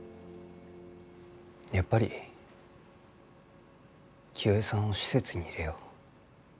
やっぱり清江さんを施設に入れよう。